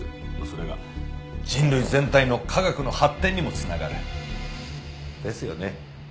それが人類全体の科学の発展にも繋がる。ですよね？